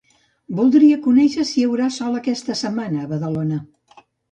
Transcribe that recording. Voldria conèixer si hi haurà sol aquesta setmana a Badalona.